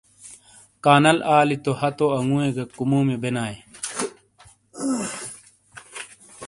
کانل آلی تو ہتو انگوئیے گہ کُمومیئے بینایئے۔